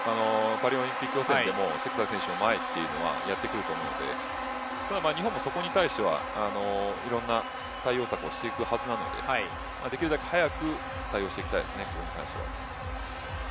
パリオリンピック予選でもやってくると思うのでただ日本もそこに対してはいろんな対応をしていくはずなのでできるだけ早く対応していきたいですね